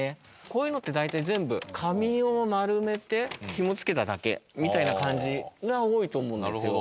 こういうのって大体全部紙を丸めて紐を付けただけみたいな感じが多いと思うんですよ。